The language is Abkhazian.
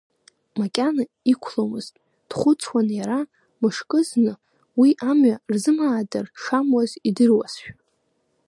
Макьана иқәломызт, дхәыцуан иара, мышкы зны уи амҩа рзымаатыр шамуаз идыруазшәа.